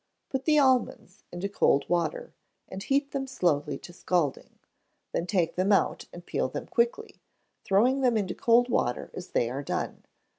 Put the almonds into cold water, and heat them slowly to scalding; then take them out and peel them quickly, throwing them into cold water as they are done.